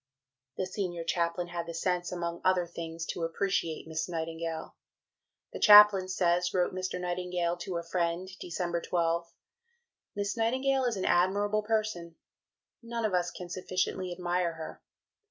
The Senior Chaplain had the sense, among other things, to appreciate Miss Nightingale. "The Chaplain says," wrote Mr. Nightingale to a friend (Dec. 12), "'Miss Nightingale is an admirable person; none of us can sufficiently admire her.